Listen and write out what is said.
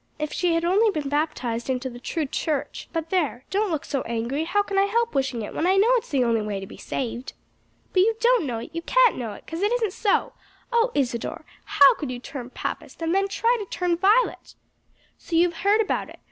"If she had only been baptized into the true church. But there, don't look so angry! how can I help wishing it when I know it's the only way to be saved?" "But you don't know it! you can't know it, because it isn't so. O Isadore, how could you turn Papist and then try to turn Violet?" "So you've heard about it?